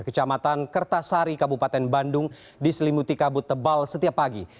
kecamatan kertasari kabupaten bandung diselimuti kabut tebal setiap pagi